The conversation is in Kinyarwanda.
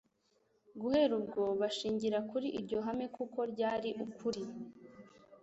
Guhera ubwo bashingira kuri iryo hame kuko ryari ukuri.